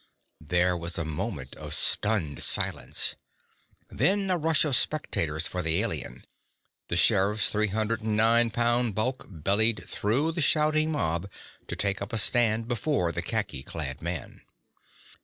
There was a moment of stunned silence; then a rush of spectators for the alien. The sheriff's three hundred and nine pound bulk bellied through the shouting mob to take up a stand before the khaki clad man.